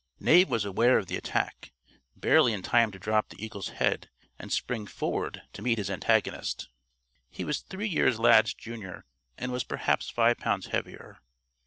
Knave was aware of the attack, barely in time to drop the eagle's head and spring forward to meet his antagonist. He was three years Lad's junior and was perhaps five pounds heavier.